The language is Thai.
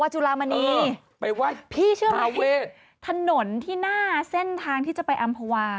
อ๋อวาจุลามณีพี่เชื่อมั้ยถนนที่หน้าเส้นทางที่จะไปอัมภาวะ